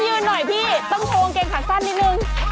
ต้องยืนนหน่อยพี่ต้องโพงเกรงจักษ์สั้นนิดนึง